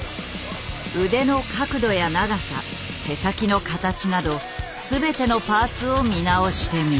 腕の角度や長さ手先の形など全てのパーツを見直してみる。